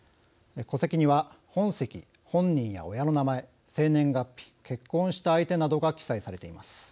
戸籍には、本籍、本人や親の名前生年月日、結婚した相手などが記載されています。